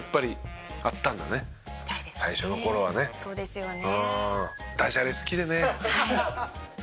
でもそうですよね。